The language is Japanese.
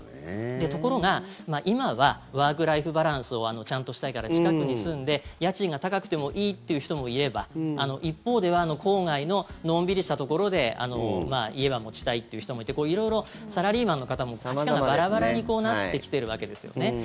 ところが、今はワーク・ライフ・バランスをちゃんとしたいから近くに住んで家賃が高くてもいいという人もいれば一方では郊外ののんびりしたところで家は持ちたいという人もいて色々、サラリーマンの方も価値観がバラバラになってきているわけですよね。